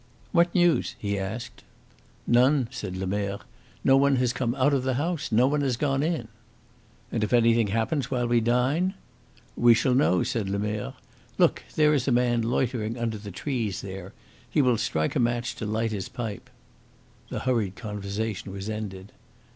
"What news?" he asked. "None," said Lemerre. "No one has come out of the house, no one has gone in." "And if anything happens while we dine?" "We shall know," said Lemerre. "Look, there is a man loitering under the trees there. He will strike a match to light his pipe." The hurried conversation was ended.